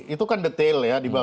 itu kan detail ya